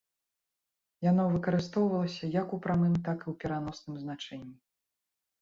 Яно выкарыстоўвалася як у прамым, так і ў пераносным значэнні.